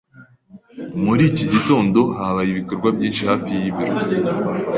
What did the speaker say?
Muri iki gitondo habaye ibikorwa byinshi hafi y'ibiro.